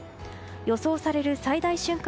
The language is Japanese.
予想される最大瞬間